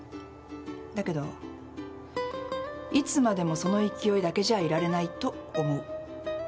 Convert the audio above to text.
だけどいつまでもその勢いだけじゃいられないと思う。